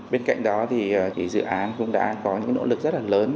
bên cạnh đó thì dự án cũng đã có những nỗ lực rất là lớn